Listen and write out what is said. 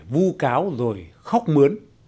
vu cáo rồi khóc mướn